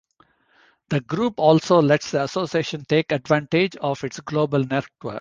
The Group also lets the association take advantage of its global network.